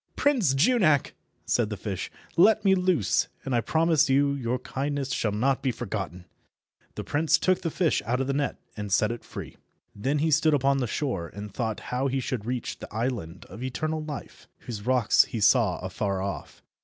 "Prince Junak," said the fish, "let me loose, and I promise you your kindness shall not be forgotten." The prince took the fish out of the net and set it free. Then he stood upon the shore, and thought how he should reach the island of eternal life, whose rocks he saw afar off.